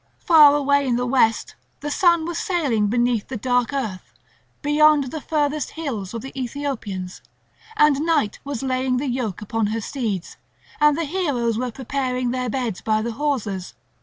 Far away in the west the sun was sailing beneath the dark earth, beyond the furthest hills of the Aethiopians; and Night was laying the yoke upon her steeds; and the heroes were preparing their beds by the hawsers.